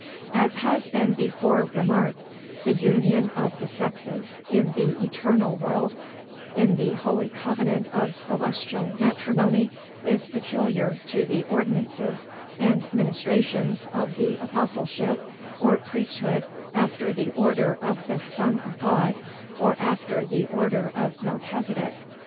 As has been before remarked, the union of the sexes, in the eternal world, in the holy covenant of celestial matrimony, is peculiar to the ordinances and ministrations of the Apostleship, or Priesthood after the order of the Son of God, or after the order of Melchisedec.